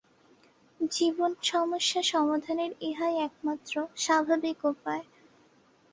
জীবনসমস্যা-সমাধানের ইহাই একমাত্র স্বাভাবিক উপায়।